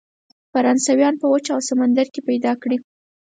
فرانسویان په وچه او سمندر کې پیدا کړي.